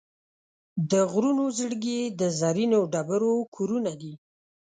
د غرونو زړګي د زرینو ډبرو کورونه دي.